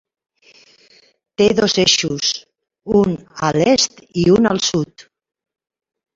Té dos eixos, un a l'est i un al sud.